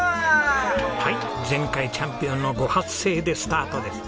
はい前回チャンピオンのご発声でスタートです。